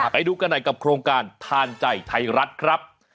ไปดูกันใหนกับโครงการธานใจไทยรัฐคำ